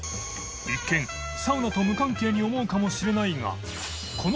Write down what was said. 祕豸サウナと無関係に思うかもしれないが海稜箴